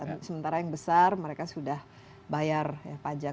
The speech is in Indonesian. nah sementara yang besar mereka sudah bayar ya pajak